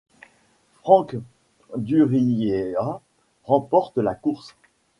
Frank Duryea remporte la course.